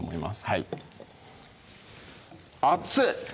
はい熱い！